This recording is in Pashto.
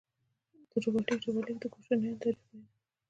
د رباتک ډبرلیک د کوشانیانو تاریخ بیانوي